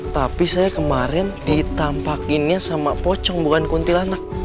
tapi saya kemarin ditampakinnya sama pocong bukan kuntilanak